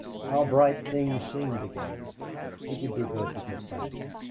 How bright things seemed again! It would be good to get back.